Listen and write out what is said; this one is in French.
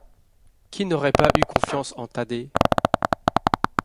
Qui n’aurait pas eu confiance en Thaddée?